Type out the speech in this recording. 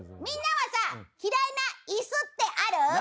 みんなはさ嫌いな椅子ってある？